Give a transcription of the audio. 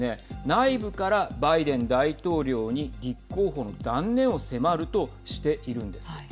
内部からバイデン大統領に立候補の断念を迫るとしているんです。